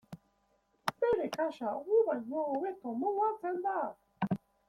Bere kasa gu baino hobeto moldatzen da.